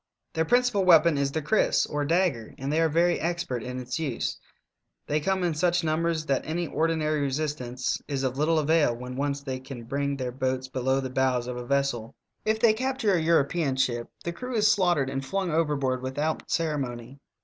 Their principal weapon is the kriss, or dagger, and they are very expert in its use. They come in such numbers that any ordinary resistance is of little CHASED BY MALAY PIRATES. 261 avail when once they can bring their boats below the bows of a vessel. If they capture a European ship, the crew is slaughtered and flung overboard without ceremony.